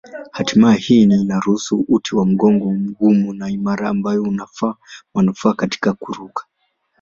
Hatimaye hii inaruhusu uti wa mgongo mgumu na imara ambayo una manufaa katika kuruka.